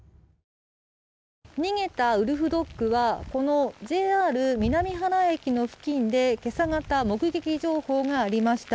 逃げたウルフドッグはこのＪＲ南三原駅の付近で今朝方目撃情報がありました。